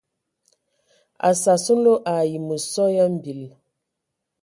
A sas nlo ai məsɔ ya mbil.